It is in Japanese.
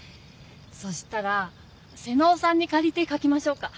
そしたら妹尾さんにかりてかきましょうか。